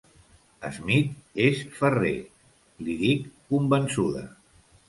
Smith és Ferrer —li dic, convençuda.